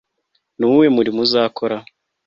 ni uwuhe murimo uzakora